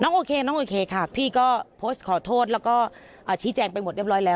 โอเคน้องโอเคค่ะพี่ก็โพสต์ขอโทษแล้วก็ชี้แจงไปหมดเรียบร้อยแล้ว